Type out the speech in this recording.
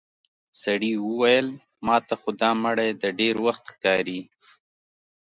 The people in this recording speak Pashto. سړي وويل: ماته خو دا مړی د ډېر وخت ښکاري.